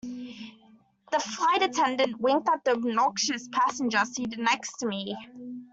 The flight attendant winked at the obnoxious passenger seated next to me.